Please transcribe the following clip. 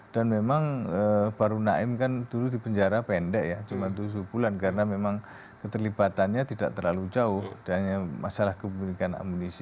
dan memang baru naim kan dulu di penjara pendek ya cuma tujuh bulan karena memang keterlibatannya tidak terlalu jauh dan masalah kemulikan amunisi